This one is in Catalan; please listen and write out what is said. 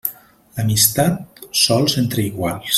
L'amistat, sols entre iguals.